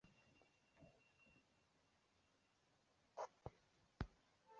圣瓦阿斯德隆格蒙。